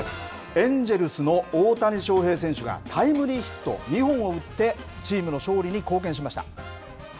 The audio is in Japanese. エンジェルスの大谷翔平選手がタイムリーヒット２本を打って、チームの勝利に貢献しました。